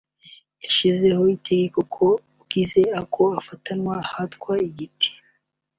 yashyizeho itegeko ko ugize ako afatanwa ahatwa igiti